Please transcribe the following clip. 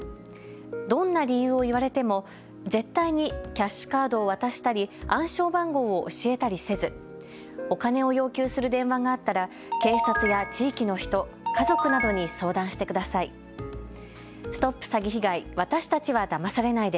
どんな理由を言われても絶対にキャッシュカードを渡したり暗証番号を教えたりせずお金を要求する電話があったら警察や地域の人、家族などに相談してください。